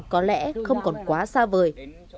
có lẽ không còn quá xa vời